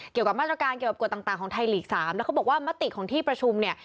เกี่ยวกับมาตรการเกี่ยวกับกฎต่างของไทยลีก๓แล้วเขาบอกว่ามติของที่ประชุมเนี่ย